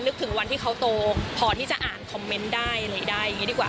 ถึงวันที่เขาโตพอที่จะอ่านคอมเมนต์ได้อะไรได้อย่างนี้ดีกว่า